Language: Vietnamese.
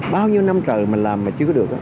bao nhiêu năm trời mình làm mà chưa có được